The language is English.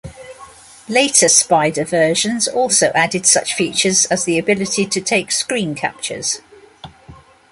Later Spider versions also added such features as the ability to take screen captures.